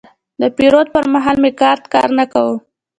د پیرود پر مهال مې کارت کار نه کاوه.